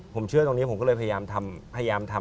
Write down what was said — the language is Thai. ผมเชื่อตรงนี้ผมก็เลยพยายามทำ